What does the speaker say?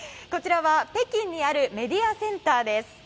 こちらは北京にあるメディアセンターです。